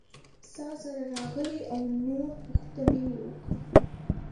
څاسره راغلې او نور پوښتنې یې وکړې.